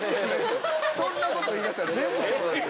そんなこと言い出したら全部そうなりますよ。